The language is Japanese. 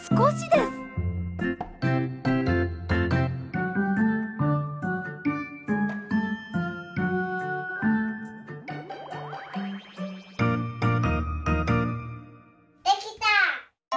できた！